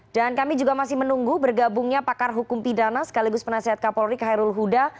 dan kami juga masih menunggu bergabungnya pakar hukum pidana sekaligus penasihat kapolri kairul huda